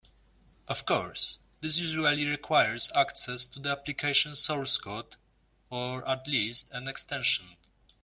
Of course, this usually requires access to the application source code (or at least an extension).